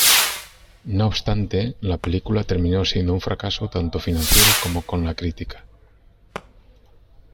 No obstante, la película terminó siendo un fracaso tanto financiero como con la crítica.